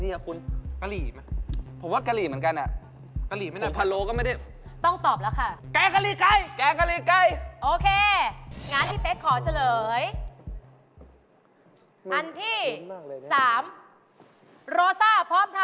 โรซ่าพร้อมทานรสผัดกะเพรา